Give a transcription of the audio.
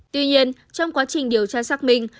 tuy nhiên trong quá trình điều tra xác minh